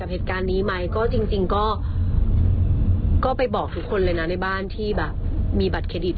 เหตุการณ์นี้ไหมก็จริงก็ไปบอกทุกคนเลยนะในบ้านที่แบบมีบัตรเครดิต